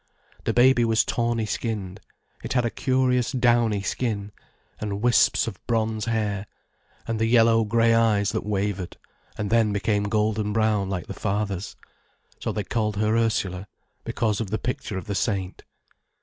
The baby was tawny skinned, it had a curious downy skin, and wisps of bronze hair, and the yellow grey eyes that wavered, and then became golden brown like the father's. So they called her Ursula because of the picture of the saint.